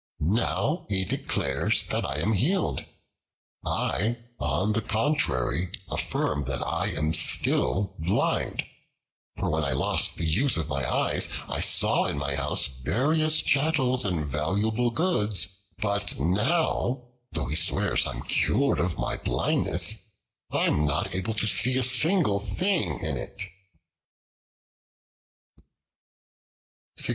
Now he declares that I am healed. I on the contrary affirm that I am still blind; for when I lost the use of my eyes, I saw in my house various chattels and valuable goods: but now, though he swears I am cured of my blindness, I am not able to see a single thing in it."